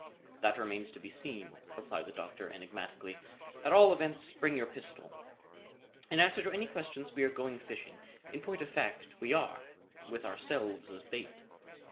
"That remains to be seen," replied the Doctor enigmatically. "At all events, bring your pistol. In answer to any questions, we are going fishing. In point of fact, we are with ourselves as bait.